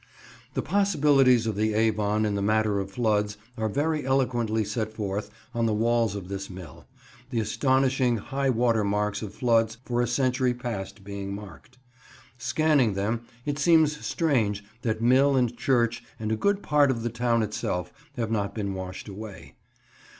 The possibilities of the Avon in the matter of floods are very eloquently set forth on the walls of this mill: the astonishing high water marks of floods for a century past being marked. Scanning them, it seems strange that mill and church and a good part of the town itself have not been washed away.